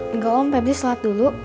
enggak om pebis sholat dulu